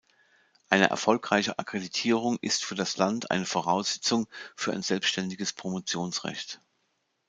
Eine erfolgreiche Akkreditierung ist für das Land eine Voraussetzung für ein selbständiges Promotionsrecht.